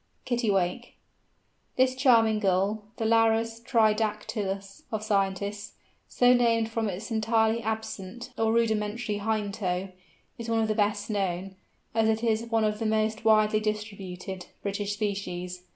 KITTIWAKE. This charming Gull, the Larus tridactylus of scientists, so named from its entirely absent or rudimentary hind toe, is one of the best known, as it is one of the most widely distributed, British species.